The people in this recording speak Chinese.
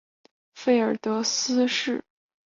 费尔德海斯是前水球运动员。